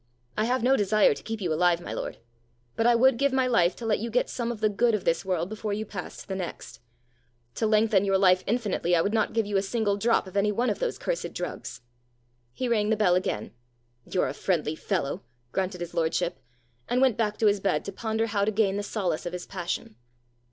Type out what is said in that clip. "I have no desire to keep you alive, my lord; but I would give my life to let you get some of the good of this world before you pass to the next. To lengthen your life infinitely, I would not give you a single drop of any one of those cursed drugs!" He rang the bell again. "You're a friendly fellow!" grunted his lordship, and went back to his bed to ponder how to gain the solace of his passion.